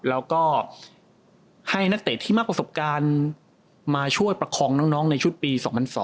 แล้วก็ให้นักเตะที่มากประสบการณ์มาช่วยประคองน้องในชุดปี๒๐๐๒